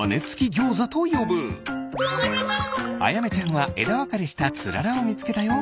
あやめちゃんはえだわかれしたつららをみつけたよ。